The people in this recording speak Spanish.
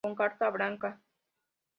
Con carta blanca.